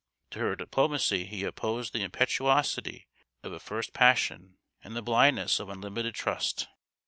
To her diplomacy he opposed the impetuosity of a first passion and the blindness of unlimited trust.